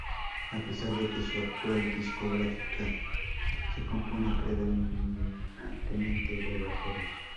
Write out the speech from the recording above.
A pesar de que su actual discográfica se compone predominantemente de raperos.